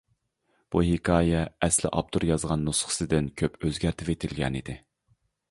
بۇ ھېكايە ئەسلى ئاپتور يازغان نۇسخىسىدىن كۆپ ئۆزگەرتىۋېتىلگەن ئىدى.